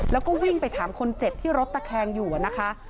แล้วก็วิ่งไปถามคนเจ็บที่รถตะแคงอยู่นะคะ